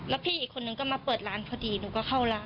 แล้วพี่อีกคนนึงก็มาเปิดร้านพอดีหนูก็เข้าร้าน